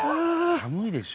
寒いでしょ。